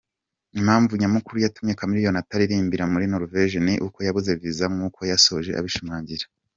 Impamvu nyamukuru yatumye Chameleone ataririmbira muri Norvege ni uko yabuze visa nkuko yasoje abishimangira.